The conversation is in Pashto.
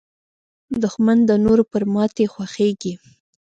دښمن د نورو پر ماتې خوښېږي